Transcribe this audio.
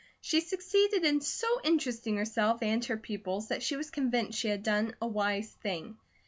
She succeeded in so interesting herself and her pupils that she was convinced she had done a wise thing.